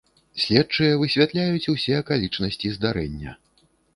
Следчыя высвятляюць усе акалічнасці здарэння.